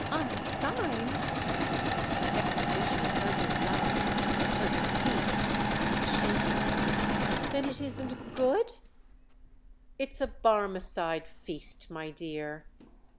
"Unsigned?"—the exhibition of her design, of her defeat, kept shaking her. "Then it isn't good—?" "It's a Barmecide feast, my dear!"